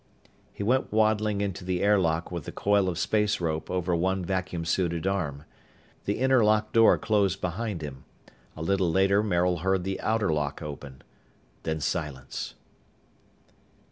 He went waddling into the airlock with the coil of space rope over one vacuum suited arm. The inner lock door closed behind him. A little later Maril heard the outer lock open. Then silence.